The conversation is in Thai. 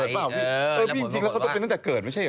เออพี่จริงแล้วเขาเป็นตั้งแต่เกิดไม่ใช่เหรอ